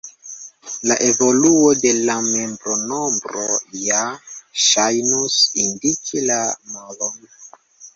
La evoluo de la membronombro ja ŝajnus indiki la malon.